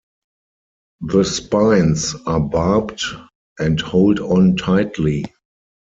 The spines are barbed, and hold on tightly.